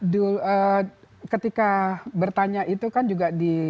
dulu ketika bertanya itu kan juga di